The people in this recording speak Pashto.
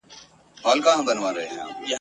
بلبل سمدستي را ووت په هوا سو ..